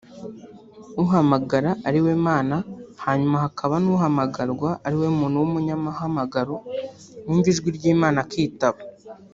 uhamagara ari we Mana hanyuma hakaba n’uhamagarwa ari we umuntu w’umunyamuhamagaro wumva ijwi ry’Imana akitaba